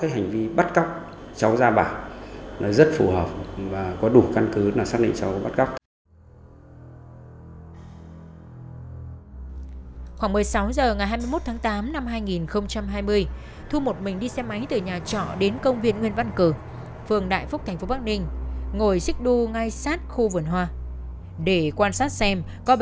hẹn gặp lại các bạn trong những video tiếp theo